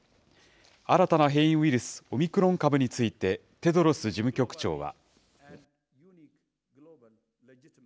新たな変異ウイルス、オミクロン株についてテドロス事務局長は。